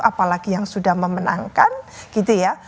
apalagi yang sudah memenangkan gitu ya